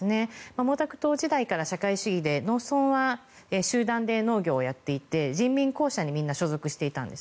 毛沢東時代から社会主義で農村は集団で農業をやっていて人民公社にみんな所属していたんです。